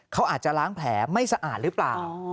เขาอาจจะล้างแผลไม่สะอาดหรือเปล่า